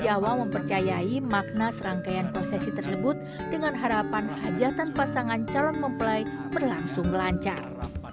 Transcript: jawa mempercayai makna serangkaian prosesi tersebut dengan harapan hajatan pasangan calon mempelai berlangsung lancar